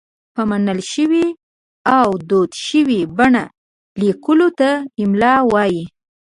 په منل شوې او دود شوې بڼه لیکلو ته املاء وايي.